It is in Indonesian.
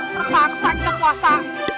terpaksa kita puasa